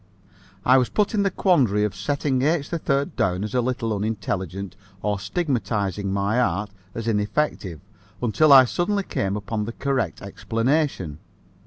I was put in the quandary of setting H. 3rd down as a little unintelligent or stigmatizing my art as ineffective, until I suddenly came upon the correct explanation.